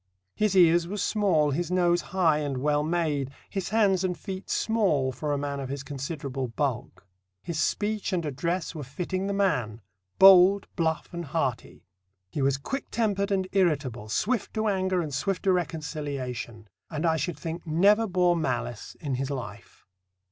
His ears were small, his nose high and well made, his hands and feet small for a man of his considerable bulk. His speech and address were fitting the man; bold, bluff, and hearty.... He was quick tempered and irritable, swift to anger and swift to reconciliation, and I should think never bore malice in his life.